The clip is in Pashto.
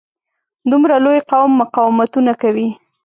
دومره لوی قوم مقاومتونه کوي.